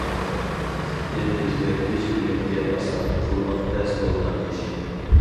تىپنى ئۆزگەرتىش دېمەككە ئاسان، قىلماق تەس بولغان ئىش!